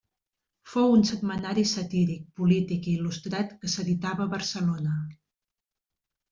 Fou un setmanari satíric, polític i il·lustrat que s'editava a Barcelona.